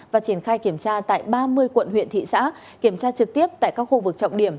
và triển khai kiểm tra tại ba mươi quận huyện thị xã kiểm tra trực tiếp tại các khu vực trọng điểm